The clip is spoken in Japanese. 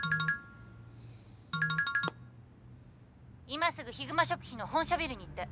今すぐひぐま食品の本社ビルに行って。